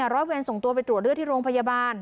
ร้อยเวรส่งตัวไปตรวจเลือดที่โรงพยาบาล